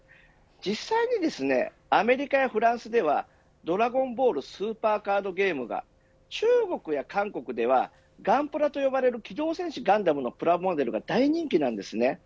実際にアメリカやフランスではドラゴンボール・スーパーカードゲームが中国や韓国などではガンプラと呼ばれる機動戦士ガンダムのプラモデルが大人気なんです。